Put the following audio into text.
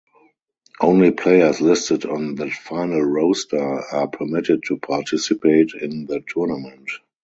Only players listed on that final roster are permitted to participate in the tournament.